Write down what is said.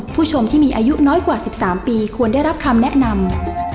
ผู้ชมที่มีอายุน้อยกว่า๑๓ปีควรได้รับคำแนะนำ